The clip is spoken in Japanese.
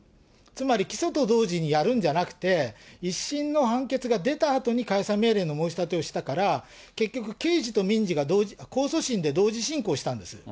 つまり起訴と同時にやるんじゃなくて、１審の判決が出たあとに解散命令の申し立てをしたから、結局、刑事と民事が控訴審で同時進行したんです。